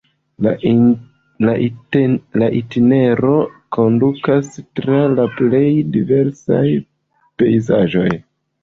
La itinero kondukas tra la plej diversaj pejzaĝoj.